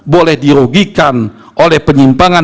boleh dirugikan oleh penyimpangan